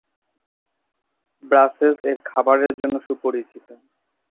Brussels এর খাবারের জন্য সুপরিচিত।